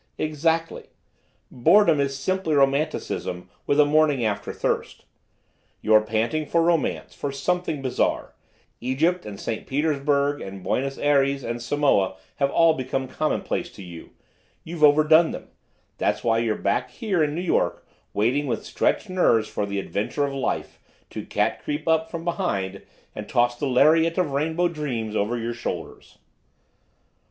"Exactly. Boredom is simply romanticism with a morning after thirst. You're panting for romance, for something bizarre. Egypt and St. Petersburg and Buenos Ayres and Samoa have all become commonplace to you. You've overdone them. That's why you're back here in New York waiting with stretched nerves for the Adventure of Life to cat creep up from behind and toss the lariat of rainbow dreams over your shoulders."